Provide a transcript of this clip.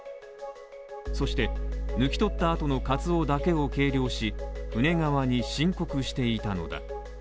そして、抜き取った後のカツオだけを計量し、船側に申告していたのだ。